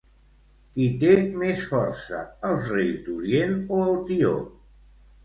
Qui té més força, els reis d'orient o el tió?